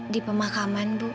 di pemakaman bu